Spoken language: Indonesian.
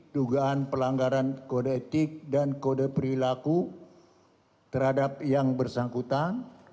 dugaan pelanggaran kode etik dan kode perilaku terhadap yang bersangkutan